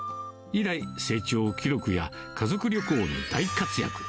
以来、成長記録や家族旅行に大活躍。